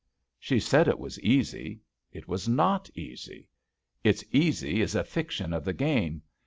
She said it was easy. It was not easy. "It's easy" is a fiction of the game.